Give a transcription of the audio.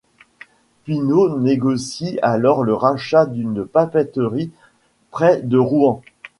Pinault négocie alors le rachat d'une papeterie près de Rouen.